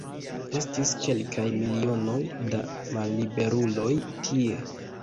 Estis kelkaj milionoj da malliberuloj tie.